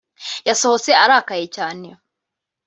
yasohotse arakaye cyane